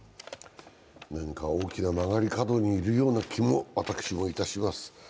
何か大きな曲がり角にいるような気も、私もいたします。